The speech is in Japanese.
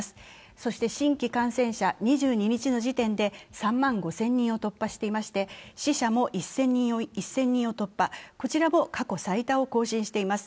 そして新規感染者、２２日の時点で３万５０００人を突破していまして、死者も１０００人を突破、こちらも過去最多を更新しています。